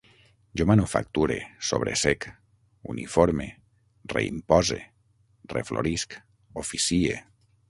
Jo manufacture, sobresec, uniforme, reimpose, reflorisc, oficie